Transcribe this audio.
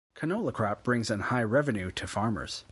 Canola crop brings in high revenue to farmers.